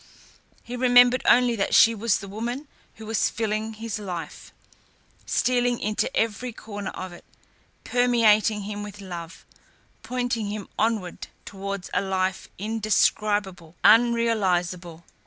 He remembered only that she was the woman who was filling his life, stealing into every corner of it, permeating him with love, pointing him onwards towards a life indescribable, unrealisable....